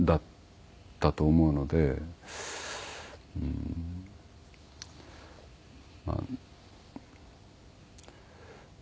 うんまあ。